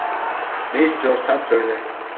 Ne istiyorsan söyle.